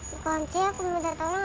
dikunci aku minta tolong